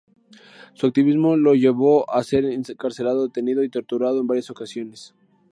Su activismo le llevó a ser encarcelado, detenido y torturado en varias ocasiones.